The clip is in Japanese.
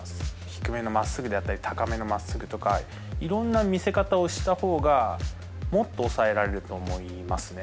低めの真っすぐであったり、高めのまっすぐとか、いろんな見せ方をしたほうが、もっと抑えられると思いますね。